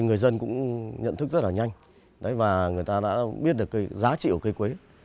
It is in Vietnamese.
người dân cũng nhận thức rất là nhanh và người ta đã biết được giá trị của cây quế